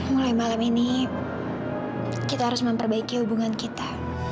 mulai malam ini kita harus memperbaiki hubungan kita